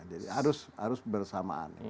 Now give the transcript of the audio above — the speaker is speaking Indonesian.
jadi harus bersamaan